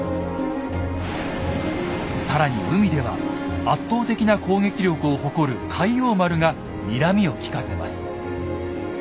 更に海では圧倒的な攻撃力を誇る「開陽丸」がにらみを利かせます。